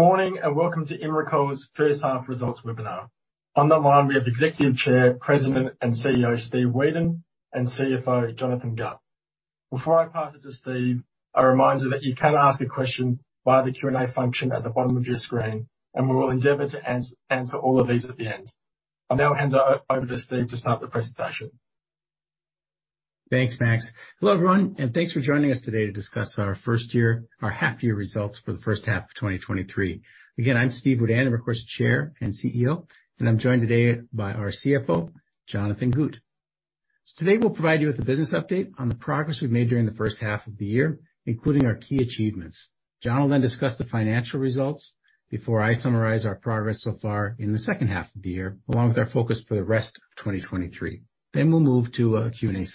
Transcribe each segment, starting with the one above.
Morning, welcome to Imricor's first half results webinar. On the line, we have Executive Chair, President, and CEO, Steve Wedan, and CFO, Jonathon Gut. Before I pass it to Steve, a reminder that you can ask a question via the Q&A function at the bottom of your screen, and we will endeavor to answer all of these at the end. I'll now hand it over to Steve to start the presentation. Thanks, Max. Hello, everyone, thanks for joining us today to discuss our first year, our half year results for the first half of 2023. Again, I'm Steve Wedan, Imricor's Chair and CEO, and I'm joined today by our CFO, Jonathon Gut. Today, we'll provide you with a business update on the progress we've made during the first half of the year, including our key achievements. Jon will then discuss the financial results before I summarize our progress so far in the second half of the year, along with our focus for the rest of 2023. We'll move to a Q&A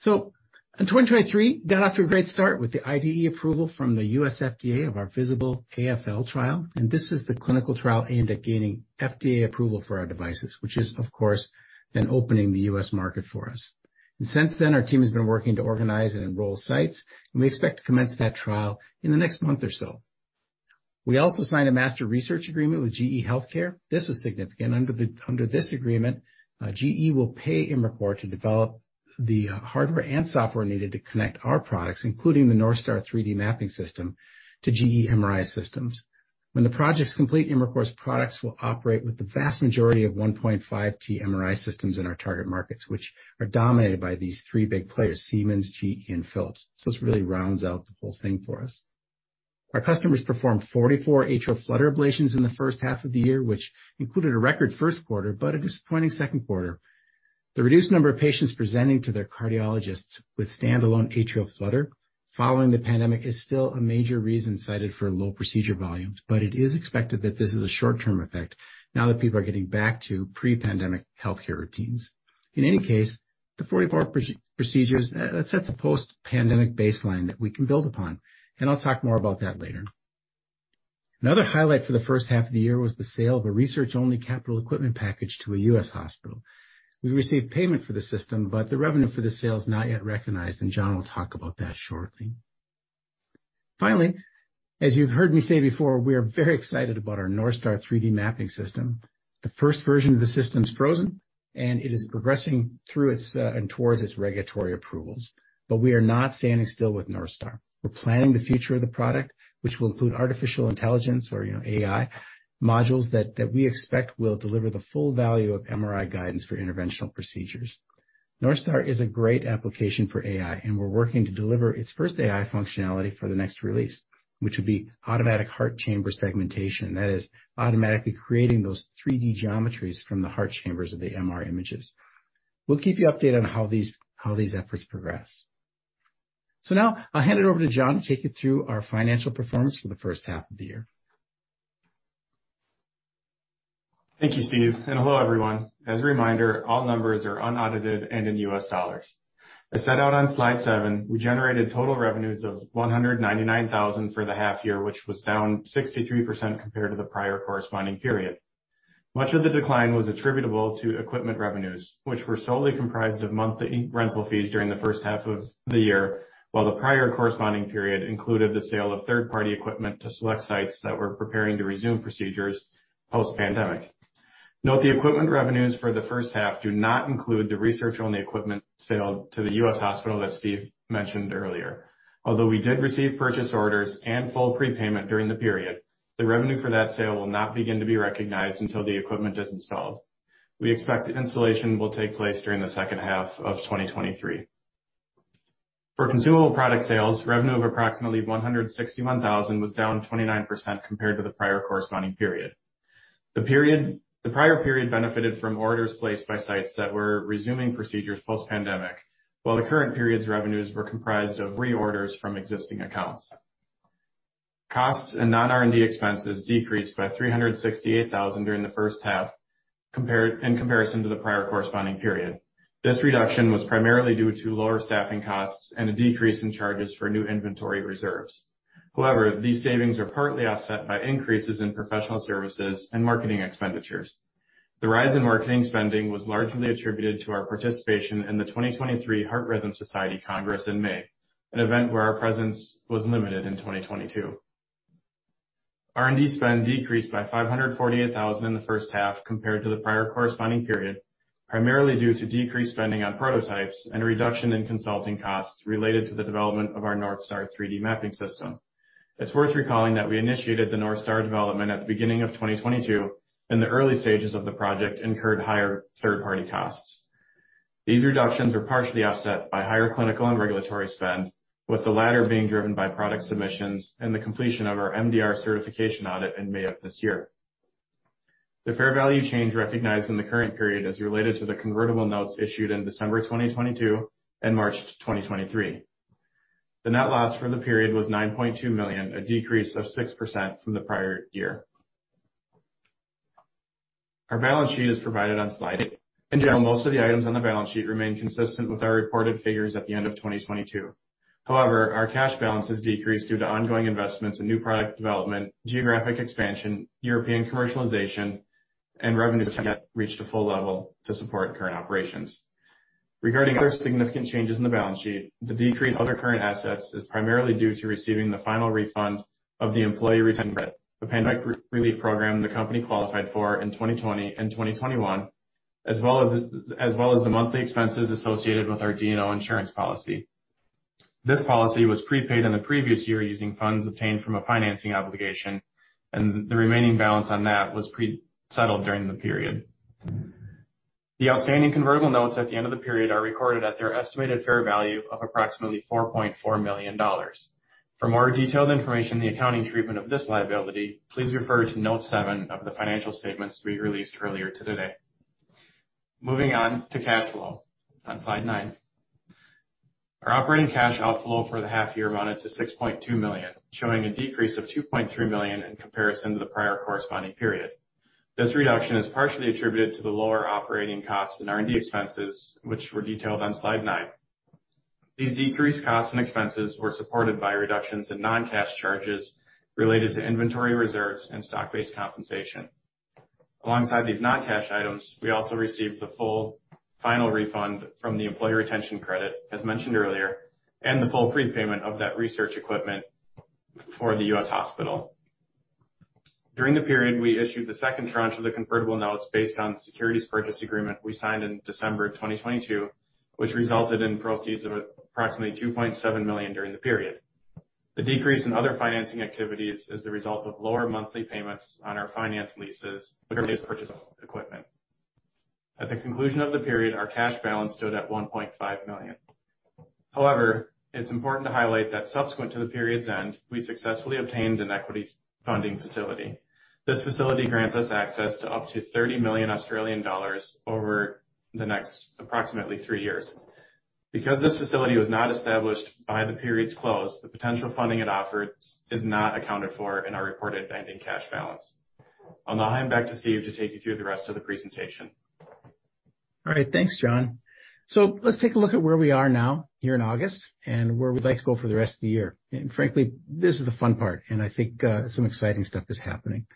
session. In 2023, got off to a great start with the IDE approval from the U.S. FDA of our VISABL-AFL trial. This is the clinical trial aimed at gaining FDA approval for our devices, which is, of course, then opening the U.S. market for us. Since then, our team has been working to organize and enroll sites, and we expect to commence that trial in the next month or so. We also signed a master research agreement with GE HealthCare. This was significant. Under the, under this agreement, GE will pay Imricor to develop the hardware and software needed to connect our products, including the NorthStar 3D mapping system, to GE MRI systems. When the project's complete, Imricor's products will operate with the vast majority of 1.5 T MRI systems in our target markets, which are dominated by these three big players, Siemens, GE, and Philips. This really rounds out the whole thing for us. Our customers performed 44 atrial flutter ablations in the first half of the year, which included a record first quarter, but a disappointing second quarter. The reduced number of patients presenting to their cardiologists with standalone atrial flutter following the pandemic is still a major reason cited for low procedure volumes, but it is expected that this is a short-term effect now that people are getting back to pre-pandemic healthcare routines. In any case, the 44 procedures that sets a post-pandemic baseline that we can build upon, and I'll talk more about that later. Another highlight for the first half of the year was the sale of a research-only capital equipment package to a U.S. hospital. We received payment for the system, the revenue for the sale is not yet recognized. Jon will talk about that shortly. Finally, as you've heard me say before, we are very excited about our NorthStar 3D mapping system. The first version of the system's frozen, it is progressing through its and towards its regulatory approvals. We are not standing still with NorthStar. We're planning the future of the product, which will include artificial intelligence or, you know, AI, modules that, that we expect will deliver the full value of MRI guidance for interventional procedures. NorthStar is a great application for AI. We're working to deliver its first AI functionality for the next release, which would be automatic heart chamber segmentation. That is, automatically creating those 3D geometries from the heart chambers of the MR images. We'll keep you updated on how these, how these efforts progress. Now I'll hand it over to Jon to take you through our financial performance for the first half of the year. Thank you, Steve, and hello, everyone. As a reminder, all numbers are unaudited and in U.S. dollars. As set out on slide 7, we generated total revenues of $199,000 for the half year, which was down 63% compared to the prior corresponding period. Much of the decline was attributable to equipment revenues, which were solely comprised of monthly rental fees during the first half of the year, while the prior corresponding period included the sale of third-party equipment to select sites that were preparing to resume procedures post-pandemic. Note, the equipment revenues for the first half do not include the research on the equipment sold to the U.S. hospital that Steve mentioned earlier. Although we did receive purchase orders and full prepayment during the period, the revenue for that sale will not begin to be recognized until the equipment is installed. We expect the installation will take place during the second half of 2023. For consumable product sales, revenue of approximately $161,000 was down 29% compared to the prior corresponding period. The prior period benefited from orders placed by sites that were resuming procedures post-pandemic, while the current period's revenues were comprised of reorders from existing accounts. Costs and non-R&D expenses decreased by $368,000 during the first half in comparison to the prior corresponding period. This reduction was primarily due to lower staffing costs and a decrease in charges for new inventory reserves. However, these savings are partly offset by increases in professional services and marketing expenditures. The rise in marketing spending was largely attributed to our participation in the 2023 Heart Rhythm Society Congress in May, an event where our presence was limited in 2022. R&D spend decreased by $548,000 in the first half compared to the prior corresponding period, primarily due to decreased spending on prototypes and a reduction in consulting costs related to the development of our NorthStar 3D mapping system. It's worth recalling that we initiated the NorthStar development at the beginning of 2022, the early stages of the project incurred higher third-party costs. These reductions were partially offset by higher clinical and regulatory spend, with the latter being driven by product submissions and the completion of our MDR certification audit in May of this year. The fair value change recognized in the current period is related to the convertible notes issued in December 2022 and March 2023. The net loss for the period was $9.2 million, a decrease of 6% from the prior year. Our balance sheet is provided on slide 8. In general, most of the items on the balance sheet remain consistent with our reported figures at the end of 2022. However, our cash balances decreased due to ongoing investments in new product development, geographic expansion, European commercialization-... and revenues have yet reached a full level to support current operations. Regarding other significant changes in the balance sheet, the decrease in other current assets is primarily due to receiving the final refund of the Employee Retention Credit, the pandemic relief program the company qualified for in 2020 and 2021, as well as the monthly expenses associated with our D&O insurance policy. This policy was prepaid in the previous year using funds obtained from a financing obligation. The remaining balance on that was pre-settled during the period. The outstanding convertible notes at the end of the period are recorded at their estimated fair value of approximately $4.4 million. For more detailed information on the accounting treatment of this liability, please refer to note seven of the financial statements we released earlier today. Moving on to cash flow on slide 9. Our operating cash outflow for the half year amounted to 6.2 million, showing a decrease of 2.3 million in comparison to the prior corresponding period. This reduction is partially attributed to the lower operating costs and R&D expenses, which were detailed on slide 9. These decreased costs and expenses were supported by reductions in non-cash charges related to inventory reserves and stock-based compensation. Alongside these non-cash items, we also received the full final refund from the Employee Retention Credit, as mentioned earlier, and the full prepayment of that research equipment for the U.S. hospital. During the period, we issued the second tranche of the convertible notes based on the securities purchase agreement we signed in December 2022, which resulted in proceeds of approximately 2.7 million during the period. The decrease in other financing activities is the result of lower monthly payments on our finance leases for purchase equipment. At the conclusion of the period, our cash balance stood at $1.5 million This facility was not established by the period's close, the potential funding it offers is not accounted for in our reported ending cash balance. I'll now hand back to Steve to take you through the rest of the presentation. All right, thanks, Jon. Let's take a look at where we are now, here in August, and where we'd like to go for the rest of the year. Frankly, this is the fun part, and I think some exciting stuff is happening.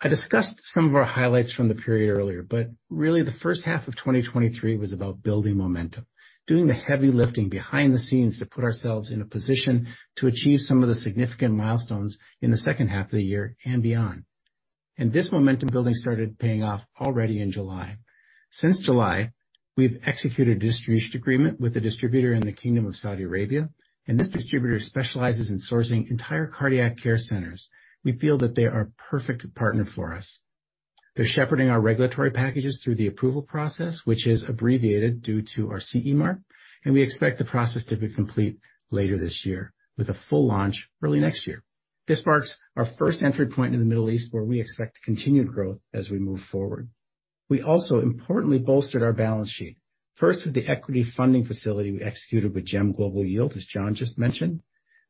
I discussed some of our highlights from the period earlier, but really, the first half of 2023 was about building momentum, doing the heavy lifting behind the scenes to put ourselves in a position to achieve some of the significant milestones in the second half of the year and beyond. This momentum building started paying off already in July. Since July, we've executed a distribution agreement with a distributor in the Kingdom of Saudi Arabia, and this distributor specializes in sourcing entire cardiac care centers. We feel that they are a perfect partner for us. They're shepherding our regulatory packages through the approval process, which is abbreviated due to our CE mark, and we expect the process to be complete later this year, with a full launch early next year. This marks our first entry point in the Middle East, where we expect continued growth as we move forward. We also importantly bolstered our balance sheet, first with the equity funding facility we executed with GEM Global Yield, as Jon just mentioned.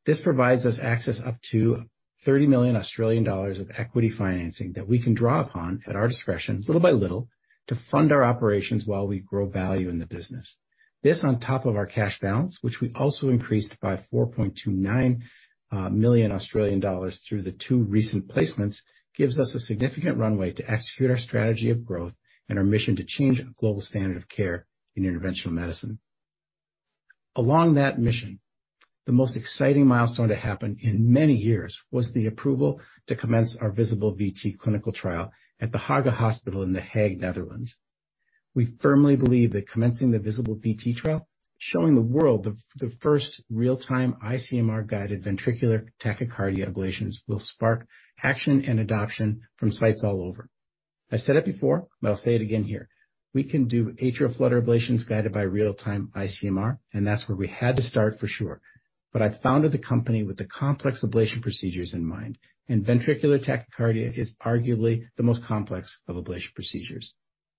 This provides us access up to 30 million Australian dollars of equity financing that we can draw upon at our discretion, little by little, to fund our operations while we grow value in the business. This, on top of our cash balance, which we also increased by 4.29 million Australian dollars through the 2 recent placements, gives us a significant runway to execute our strategy of growth and our mission to change the global standard of care in interventional medicine. Along that mission, the most exciting milestone to happen in many years was the approval to commence our VISABL-VT clinical trial at the Haga Hospital in The Hague, Netherlands. We firmly believe that commencing the VISABL-VT trial, showing the world the first real-time ICMR-guided ventricular tachycardia ablations will spark action and adoption from sites all over. I've said it before, but I'll say it again here. We can do atrial flutter ablations guided by real-time ICMR. That's where we had to start for sure. I founded the company with the complex ablation procedures in mind, and ventricular tachycardia is arguably the most complex of ablation procedures.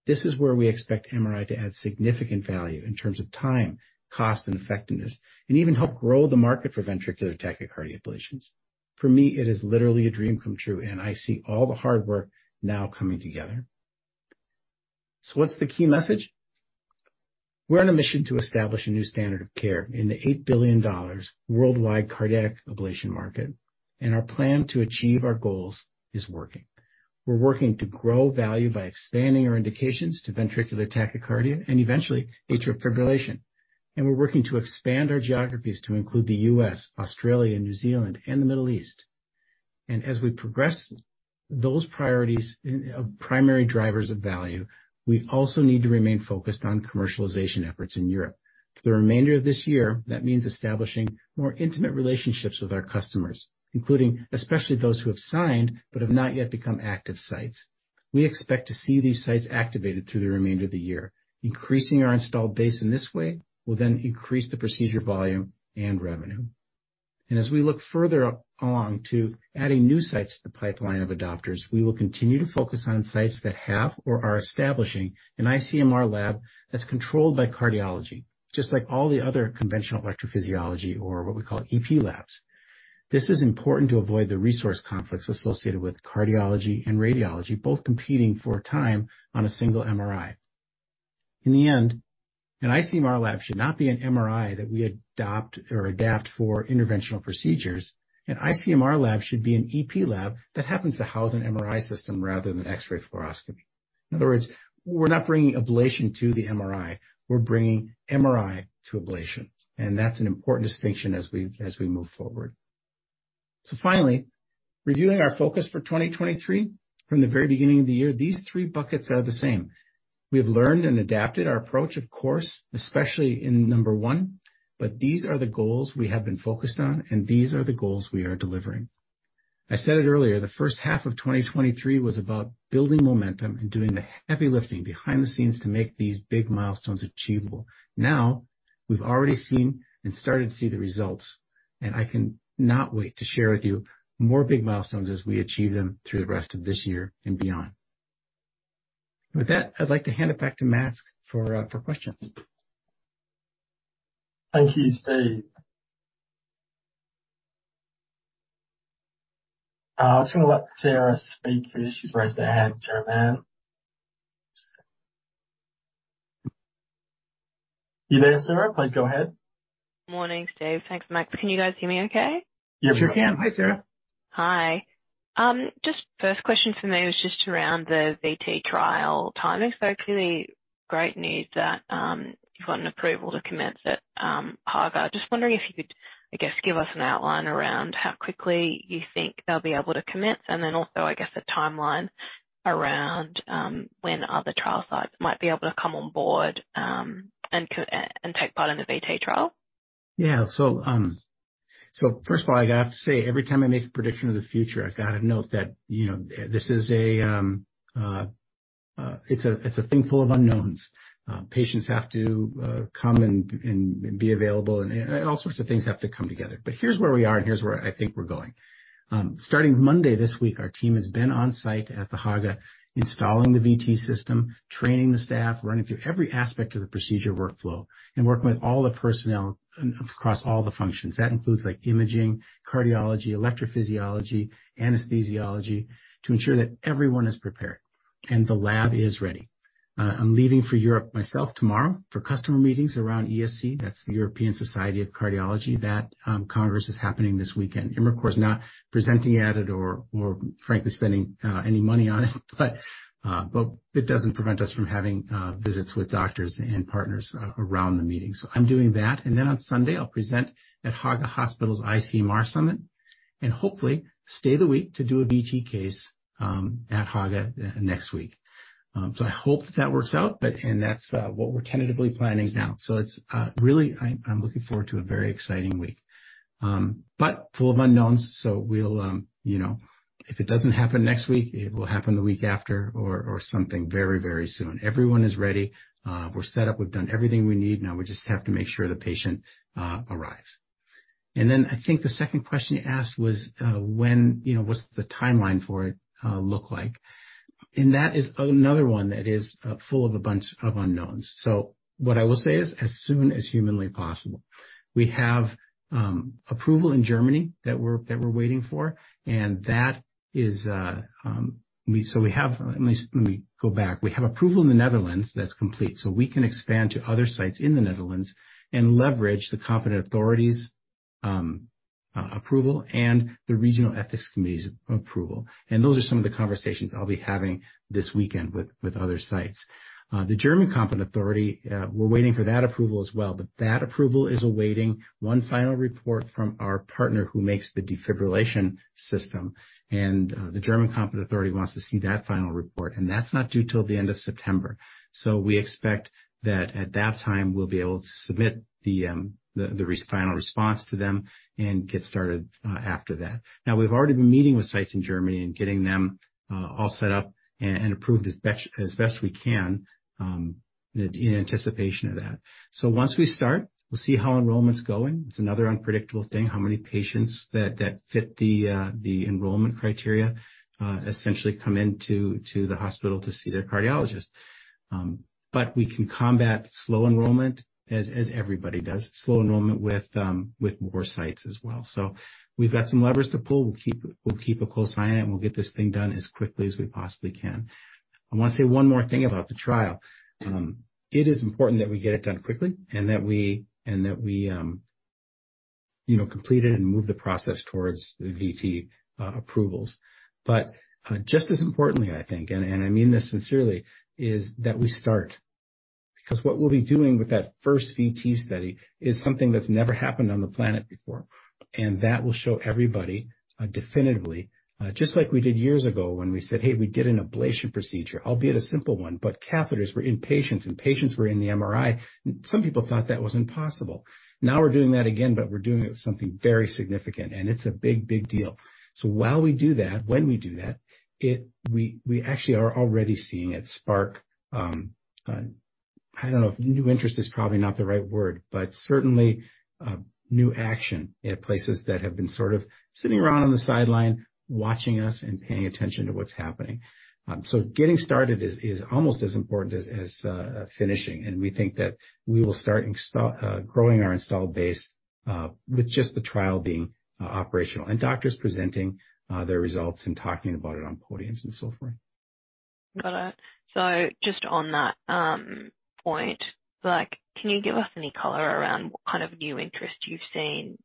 This is where we expect MRI to add significant value in terms of time, cost, and effectiveness, and even help grow the market for ventricular tachycardia ablations. For me, it is literally a dream come true, and I see all the hard work now coming together. What's the key message? We're on a mission to establish a new standard of care in the $8 billion worldwide cardiac ablation market, our plan to achieve our goals is working. We're working to grow value by expanding our indications to ventricular tachycardia and eventually atrial fibrillation. We're working to expand our geographies to include the US, Australia, and New Zealand, and the Middle East. As we progress those priorities in... primary drivers of value, we also need to remain focused on commercialization efforts in Europe. For the remainder of this year, that means establishing more intimate relationships with our customers, including especially those who have signed but have not yet become active sites. We expect to see these sites activated through the remainder of the year. Increasing our installed base in this way will then increase the procedure, volume, and revenue. As we look further along to adding new sites to the pipeline of adopters, we will continue to focus on sites that have or are establishing an ICMR lab that's controlled by cardiology, just like all the other conventional electrophysiology or what we call EP labs. This is important to avoid the resource conflicts associated with cardiology and radiology, both competing for time on a single MRI. In the end, an ICMR lab should not be an MRI that we adopt or adapt for interventional procedures. An EP lab should be an EP lab that happens to house an MRI system rather than an X-ray fluoroscopy. In other words, we're not bringing ablation to the MRI, we're bringing MRI to ablation, and that's an important distinction as we move forward. Finally, reviewing our focus for 2023. From the very beginning of the year, these three buckets are the same. We have learned and adapted our approach, of course, especially in number one, but these are the goals we have been focused on, and these are the goals we are delivering. I said it earlier, the first half of 2023 was about building momentum and doing the heavy lifting behind the scenes to make these big milestones achievable. Now, we've already seen and started to see the results, and I cannot wait to share with you more big milestones as we achieve them through the rest of this year and beyond. With that, I'd like to hand it back to Max for questions. Thank you, Steve. I'm just going to let Sarah speak because she's raised her hand. [Sarah Mann]? You there, [Sarah]? Please go ahead. Morning, Steve. Thanks, Max. Can you guys hear me okay? Yes, we can. Hi, [Sarah]. Hi. Just first question from me was just around the VT trial timing. Clearly great news that, you've got an approval to commence at, Haga. Just wondering if you could, I guess, give us an outline around how quickly you think they'll be able to commence, and then also, I guess, a timeline around, when other trial sites might be able to come on board, and take part in the VT trial? Yeah. First of all, I have to say, every time I make a prediction of the future, I've got to note that, you know, this is a, it's a thing full of unknowns. Patients have to come and be available, and all sorts of things have to come together. Here's where we are, and here's where I think we're going. Starting Monday, this week, our team has been on site at the Haga, installing the VT system, training the staff, running through every aspect of the procedure workflow, and working with all the personnel across all the functions. That includes, like, imaging, cardiology, electrophysiology, anesthesiology, to ensure that everyone is prepared and the lab is ready. I'm leaving for Europe myself tomorrow for customer meetings around ESC, that's the European Society of Cardiology. Congress is happening this weekend. Imricor is not presenting at it or, or frankly, spending any money on it, but it doesn't prevent us from having visits with doctors and partners around the meeting. I'm doing that, and then on Sunday, I'll present at Haga Hospital's ICMR Summit and hopefully stay the week to do a VT case at Haga next week. I hope that that works out, but. That's what we're tentatively planning now. It's really, I'm looking forward to a very exciting week, but full of unknowns. We'll, you know, if it doesn't happen next week, it will happen the week after or, or something very, very soon. Everyone is ready. We're set up. We've done everything we need. Now we just have to make sure the patient arrives. Then I think the second question you asked was, when, you know, what's the timeline for it look like? That is another one that is full of a bunch of unknowns. What I will say is, as soon as humanly possible. We have approval in Germany that we're, that we're waiting for, and that is. We have approval in the Netherlands that's complete, so we can expand to other sites in the Netherlands and leverage the competent authorities' approval and the regional ethics committee's approval. Those are some of the conversations I'll be having this weekend with, with other sites. The German competent authority, we're waiting for that approval as well. That approval is awaiting one final report from our partner who makes the defibrillation system. The German competent authority wants to see that final report. That's not due till the end of September. We expect that at that time, we'll be able to submit the final response to them and get started after that. We've already been meeting with sites in Germany and getting them all set up and approved as best we can in anticipation of that. Once we start, we'll see how enrollment's going. It's another unpredictable thing, how many patients that fit the enrollment criteria essentially come into the hospital to see their cardiologist. We can combat slow enrollment, as, as everybody does, slow enrollment with, with more sites as well. We've got some levers to pull. We'll keep, we'll keep a close eye on it, and we'll get this thing done as quickly as we possibly can. I want to say one more thing about the trial. It is important that we get it done quickly and that we, and that we, you know, complete it and move the process towards the VT approvals. Just as importantly, I think, and, and I mean this sincerely, is that we start. Because what we'll be doing with that first VT study is something that's never happened on the planet before. That will show everybody definitively, just like we did years ago when we said, "Hey, we did an ablation procedure," albeit a simple one. Catheters were in patients. Patients were in the MRI. Some people thought that was impossible. Now we're doing that again. We're doing it with something very significant. It's a big, big deal. While we do that, when we do that, we, we actually are already seeing it spark, I don't know if new interest is probably not the right word, but certainly new action in places that have been sort of sitting around on the sideline, watching us and paying attention to what's happening. Getting started is, is almost as important as, as finishing, and we think that we will start growing our installed base with just the trial being operational, and doctors presenting their results and talking about it on podiums and so forth. Got it. Just on that point, like, can you give us any color around what kind of new interest you've seen,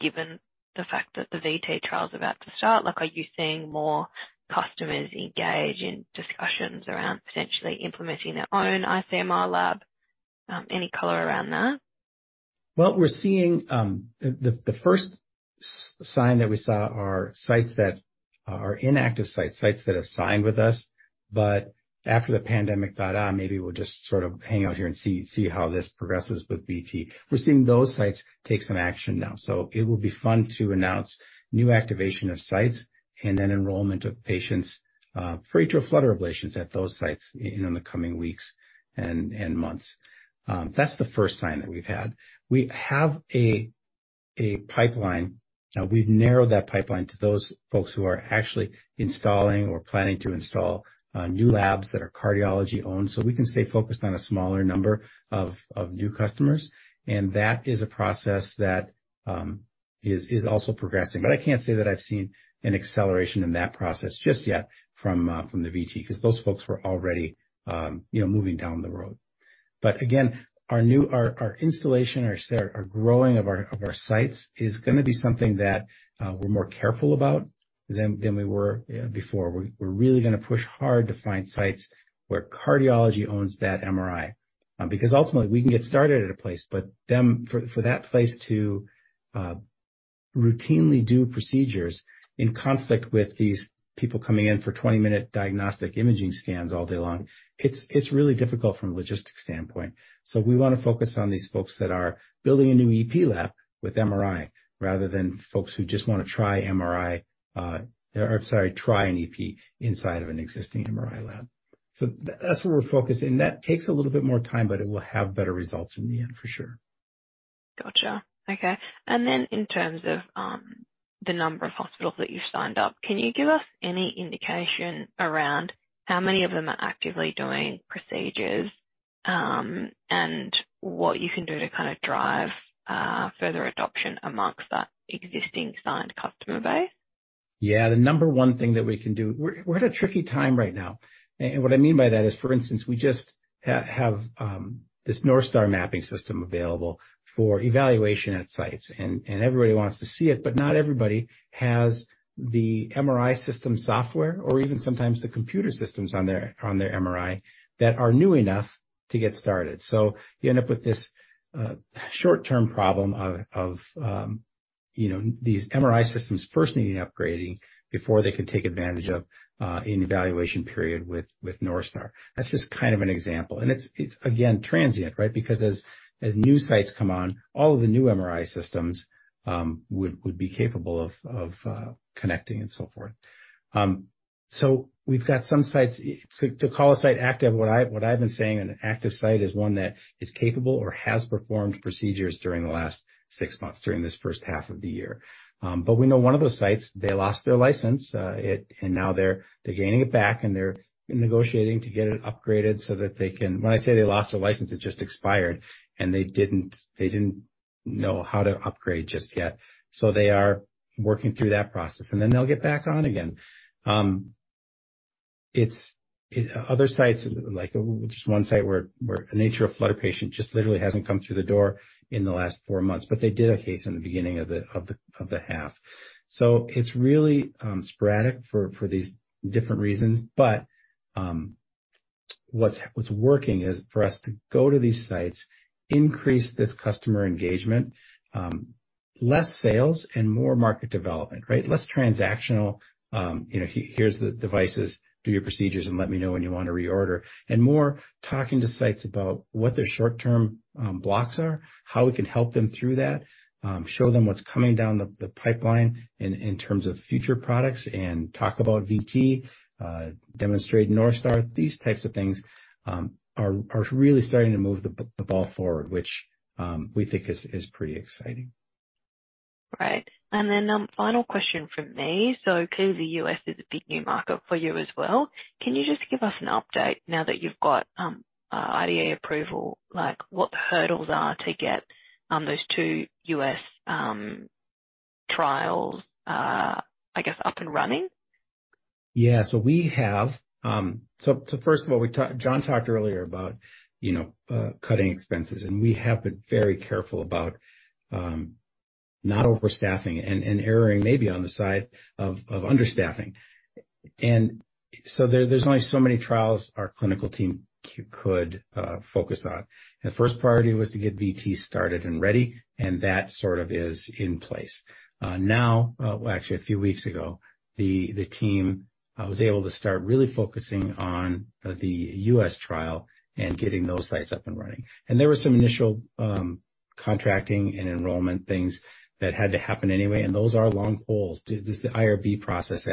given the fact that the VT trial is about to start? Like, are you seeing more customers engage in discussions around potentially implementing their own ICMR lab? Any color around that? Well, we're seeing. The first sign that we saw are sites that are inactive sites, sites that have signed with us, but after the pandemic thought, "Ah, maybe we'll just sort of hang out here and see, see how this progresses with VT." We're seeing those sites take some action now. It will be fun to announce new activation of sites and then enrollment of patients for atrial flutter ablations at those sites in the coming weeks and months. That's the first sign that we've had. We have a pipeline. We've narrowed that pipeline to those folks who are actually installing or planning to install new labs that are cardiology-owned, so we can stay focused on a smaller number of new customers, and that is a process that is also progressing. I can't say that I've seen an acceleration in that process just yet from the VT, 'cause those folks were already, you know, moving down the road. Again, our installation, our growing of our sites, is gonna be something that we're more careful about than we were before. We're really gonna push hard to find sites where cardiology owns that MRI. Because ultimately, we can get started at a place, but for that place to routinely do procedures in conflict with these people coming in for 20-minute diagnostic imaging scans all day long, it's really difficult from a logistics standpoint. We want to focus on these folks that are building a new EP lab with MRI, rather than folks who just want to try MRI, or I'm sorry, try an EP inside of an existing MRI lab. That's where we're focusing, and that takes a little bit more time, but it will have better results in the end, for sure. Gotcha. Okay. Then in terms of the number of hospitals that you've signed up, can you give us any indication around how many of them are actively doing procedures, and what you can do to kind of drive further adoption amongst that existing signed customer base? Yeah. The number 1 thing that we can do. We're, we're at a tricky time right now, and what I mean by that is, for instance, we just have this NorthStar mapping system available for evaluation at sites, and, and everybody wants to see it, but not everybody has the MRI system software, or even sometimes the computer systems on their, on their MRI, that are new enough to get started. You end up with this short-term problem of, of, you know, these MRI systems first needing upgrading before they can take advantage of an evaluation period with, with NorthStar. That's just kind of an example, and it's, it's, again, transient, right? Because as, as new sites come on, all of the new MRI systems would, would be capable of, of, connecting and so forth. We've got some sites... To, to call a site active, what I, what I've been saying, an active site is one that is capable or has performed procedures during the last 6 months, during this first half of the year. We know one of those sites, they lost their license, and now they're, they're gaining it back, and they're negotiating to get it upgraded so that they can. When I say they lost their license, it just expired, and they didn't, they didn't know how to upgrade just yet. They are working through that process, and then they'll get back on again. It's, other sites, like just 1 site, where, where an atrial flutter patient just literally hasn't come through the door in the last 4 months. They did a case in the beginning of the, of the, of the half. It's really sporadic for, for these different reasons, but what's, what's working is for us to go to these sites, increase this customer engagement, less sales and more market development, right? Less transactional, you know, "Here, here's the devices, do your procedures, and let me know when you want to reorder." More talking to sites about what their short-term blocks are, how we can help them through that, show them what's coming down the, the pipeline in, in terms of future products and talk about VT, demonstrate NorthStar. These types of things are, are really starting to move the ball forward, which we think is, is pretty exciting. Great. Final question from me. Clearly, U.S. is a big new market for you as well. Can you just give us an update now that you've got IDE approval, like, what the hurdles are to get those two U.S. trials, I guess, up and running? Yeah. We have. First of all, Jon talked earlier about, you know, cutting expenses. We have been very careful about not overstaffing and erring maybe on the side of understaffing. There's only so many trials our clinical team could focus on. The first priority was to get VT started and ready, and that sort of is in place. Now, well, actually, a few weeks ago, the team was able to start really focusing on the U.S. trial and getting those sites up and running. There were some initial contracting and enrollment things that had to happen anyway, and those are long poles. The IRB process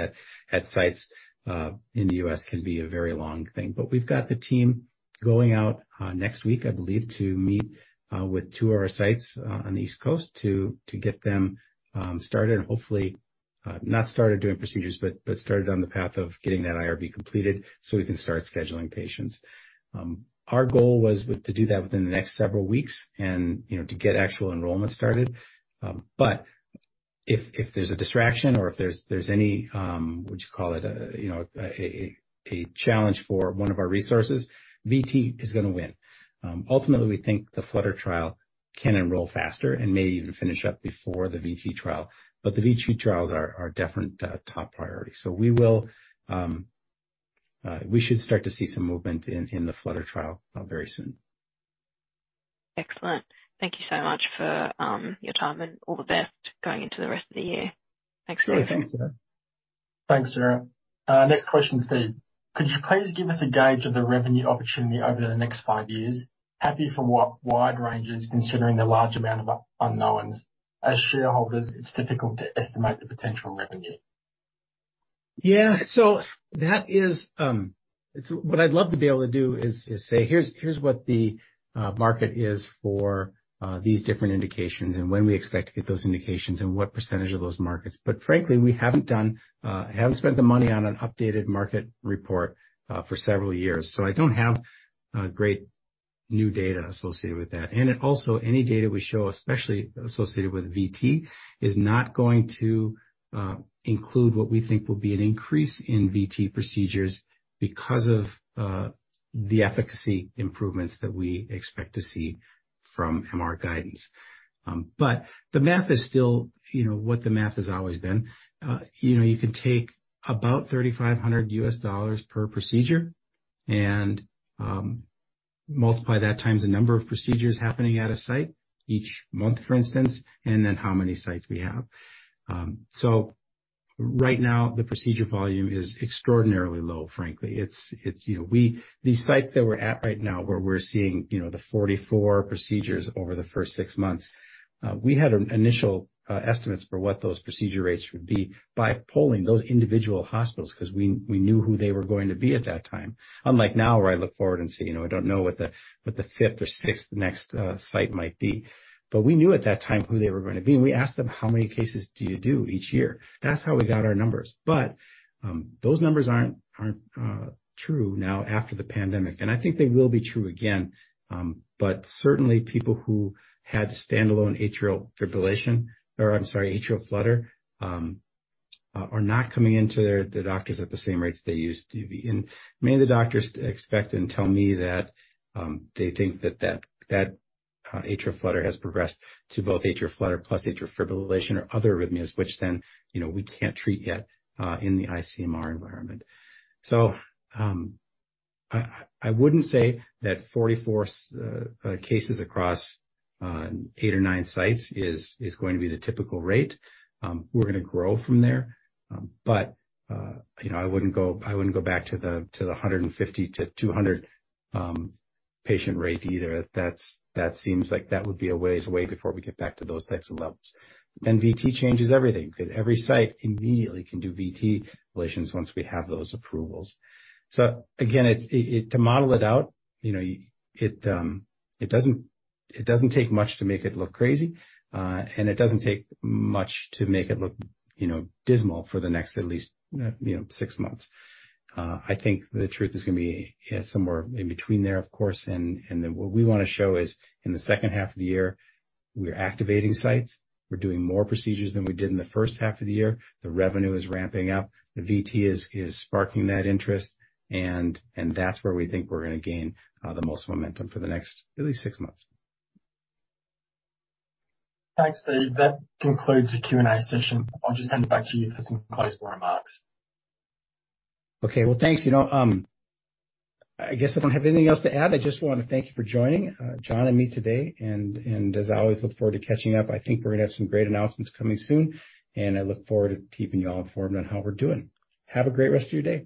at sites in the U.S. can be a very long thing. We've got the team going out next week, I believe, to meet with two of our sites on the East Coast to get them started and hopefully. Not started doing procedures, but started on the path of getting that IRB completed so we can start scheduling patients. Our goal was to do that within the next several weeks and, you know, to get actual enrollment started. If there's a distraction or if there's any, would you call it a, you know, a challenge for one of our resources, VT is gonna win. Ultimately, we think the flutter trial can enroll faster and may even finish up before the VT trial, but the VT trials are definitely top priority. We will, we should start to see some movement in, in the flutter trial, very soon. Excellent. Thank you so much for your time, and all the best going into the rest of the year. Thanks again. Sure. Thanks, Sarah. Thanks, Sarah. next question, Steve: Could you please give us a gauge of the revenue opportunity over the next 5 years? Happy for wide ranges, considering the large amount of unknowns. As shareholders, it's difficult to estimate the potential revenue. Yeah. That is, What I'd love to be able to do is, is say, "Here's, here's what the market is for these different indications, and when we expect to get those indications, and what percentage of those markets." Frankly, we haven't done, haven't spent the money on an updated market report for several years, so I don't have great new data associated with that. Also, any data we show, especially associated with VT, is not going to include what we think will be an increase in VT procedures because of the efficacy improvements that we expect to see from MR guidance. The math is still, you know, what the math has always been. You know, you can take about $3,500 per procedure, and multiply that times the number of procedures happening at a site each month, for instance, and then how many sites we have. Right now, the procedure volume is extraordinarily low, frankly. It's, it's, you know, These sites that we're at right now, where we're seeing, you know, the 44 procedures over the first 6 months, we had an initial estimates for what those procedure rates would be by polling those individual hospitals, 'cause we, we knew who they were going to be at that time. Unlike now, where I look forward and say, "You know, I don't know what the, what the 5th or 6th next site might be." We knew at that time who they were going to be, and we asked them, "How many cases do you do each year?" That's how we got our numbers. Those numbers aren't, aren't true now after the pandemic, and I think they will be true again. Certainly, people who had standalone atrial fibrillation, or I'm sorry, atrial flutter, are, are not coming into the doctors at the same rates they used to be. Many of the doctors expect and tell me that they think that, that, that atrial flutter has progressed to both atrial flutter plus atrial fibrillation or other arrhythmias, which then, you know, we can't treat yet in the ICMR environment. I, I wouldn't say that 44 cases across eight or nine sites is, is going to be the typical rate. We're gonna grow from there. You know, I wouldn't go, I wouldn't go back to the, to the 150-200 patient rate either. That's, that seems like that would be a ways away before we get back to those types of levels. VT changes everything, because every site immediately can do VT relations once we have those approvals. Again, To model it out, you know, it doesn't, it doesn't take much to make it look crazy, and it doesn't take much to make it look, you know, dismal for the next at least, you know, six months. I think the truth is gonna be somewhere in between there, of course. What we want to show is, in the second half of the year, we're activating sites, we're doing more procedures than we did in the first half of the year. The revenue is ramping up, the VT is sparking that interest, and that's where we think we're gonna gain the most momentum for the next at least six months. Thanks, Steve. That concludes the Q&A session. I'll just hand it back to you for some closing remarks. Okay. Well, thanks. You know, I guess I don't have anything else to add. I just want to thank you for joining Jon and me today, and as always, look forward to catching up. I think we're gonna have some great announcements coming soon, and I look forward to keeping you all informed on how we're doing. Have a great rest of your day.